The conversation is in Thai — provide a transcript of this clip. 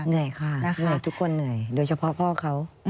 เหนื่อยค่ะเหนื่อยทุกคนเหนื่อยโดยเฉพาะพ่อเขา